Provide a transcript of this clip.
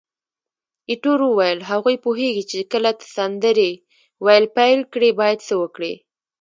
ایټور وویل: هغوی پوهیږي چې کله ته سندرې ویل پیل کړې باید څه وکړي.